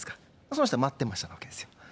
その人は待ってましたというわけですよ。